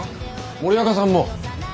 森若さんも！